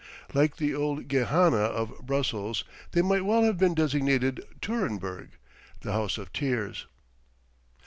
Like the old Gehenna of Brussels, they might well have been designated Treurenberg the house of tears.